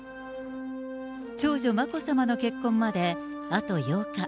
長女、眞子さまの結婚まであと８日。